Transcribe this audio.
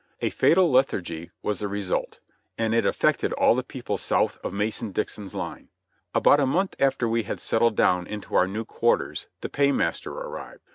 A fatal lethargy was the result; and it affected all the people south of Mason and Dixon's line. About a month after we had settled down into our new quar ters the paymaster arrived.